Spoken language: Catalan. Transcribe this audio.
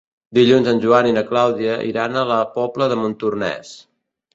Dilluns en Joan i na Clàudia iran a la Pobla de Montornès.